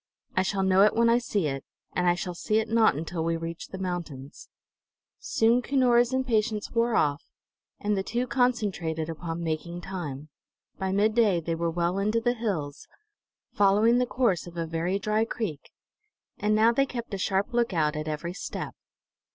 I shall know it when I see it, and I shall see it not until we reach the mountains." Soon Cunora's impatience wore off, and the two concentrated upon making time. By midday they were well into the hills, following the course of a very dry creek; and now they kept a sharp lookout at every step.